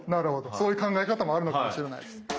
そういう考え方もあるのかもしれないです。